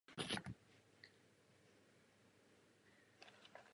Je třeba dosáhnout značných úspor energie.